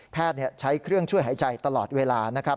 ใช้เครื่องช่วยหายใจตลอดเวลานะครับ